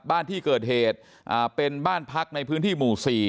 บ้านที่เกิดเหตุเป็นบ้านพักในพื้นที่หมู่๔